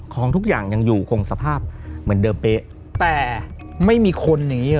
ของทุกอย่างยังอยู่คงสภาพเหมือนเดิมเป๊ะแต่ไม่มีคนอย่างงี้ห